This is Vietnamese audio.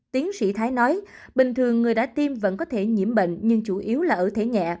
tiến sĩ thái nói bình thường người đã tiêm vẫn có thể nhiễm bệnh nhưng chủ yếu là ở thể nhẹ